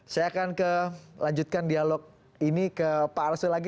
saya akan lanjutkan dialog ini ke pak arsul lagi